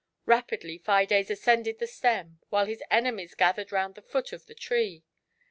Rapidly Fides ascended the stem, while his enemies gathered round the foot of the tree.